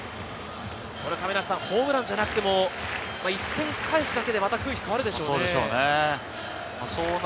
ホームランじゃなくても１点返すだけで空気、変わるでしょうね。